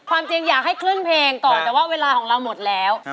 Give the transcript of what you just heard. ความจริงอยากให้คลื่นเพลงก่อนแต่ว่าเวลาของเราหมดแล้ว